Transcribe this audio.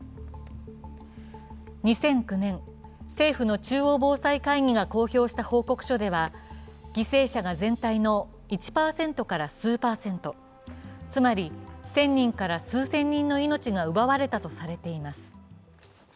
２００９年、政府の中央防災会議が公表した報告書では犠牲者が全体の１％から数パーセント、つまり１０００人から数千人の命が奪われたとされています。